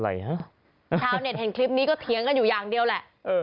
ชาวเน็ตเห็นคลิปนี้ก็เถียงกันอยู่อย่างเดียวแหละเออ